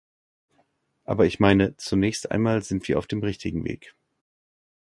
Aber ich meine, zunächst einmal sind wir auf dem richtigen Weg.